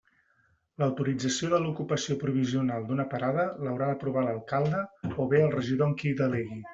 L'autorització de l'ocupació provisional d'una parada l'haurà d'aprovar l'alcalde o bé, el regidor en qui delegui.